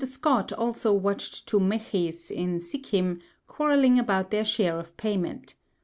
Scott also watched two Mechis, in Sikhim, quarrelling about their share of payment.